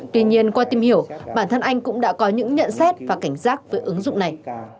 tuy nhiên qua tìm hiểu bản thân anh cũng đã có những nhận xét và cảnh giác với ứng dụng này